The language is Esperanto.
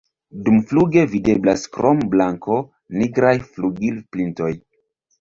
Dumfluge videblas krom blanko nigraj flugilpintoj.